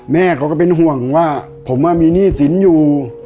แม่เขาก็เป็นห่วงว่าผมมีหนี้สินอยู่